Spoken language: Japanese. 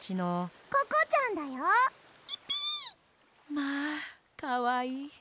まあかわいい。